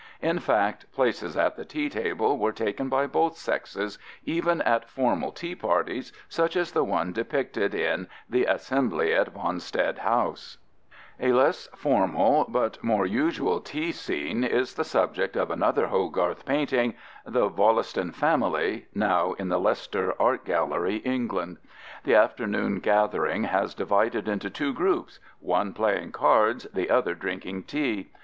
In fact, places at the tea table were taken by both sexes, even at formal tea parties such as the one depicted in The Assembly at Wanstead House. A less formal but more usual tea scene is the subject of another Hogarth painting, The Wollaston Family, now in the Leicester Art Gallery, England. The afternoon gathering has divided into two groups, one playing cards, the other drinking tea.